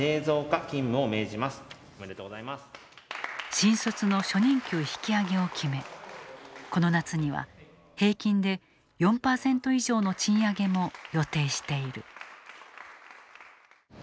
新卒の初任給引き上げを決めこの夏には平均で４％以上の賃上げも予定している。